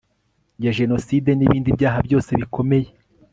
ya jenoside n ibindi byaha byose bikomeye